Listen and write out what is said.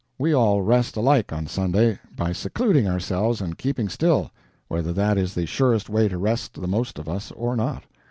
We all rest alike on Sunday by secluding ourselves and keeping still, whether that is the surest way to rest the most of us or not.